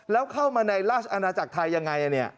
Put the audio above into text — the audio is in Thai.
แล้วเข้ามาในราชอนาจักรไทยยังไงอ่ะเนี่ย